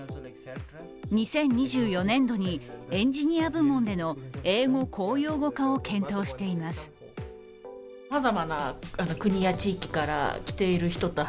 ２０２４年度にエンジニア部門での英語公用語化を検討しています。